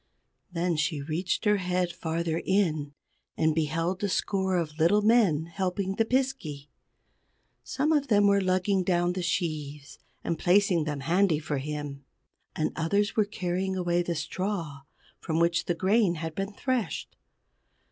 Then she reached her head farther in, and beheld a score of little men helping the Piskey. Some of them were lugging down the sheaves, and placing them handy for him; and others were carrying away the straw from which the grain had been threshed.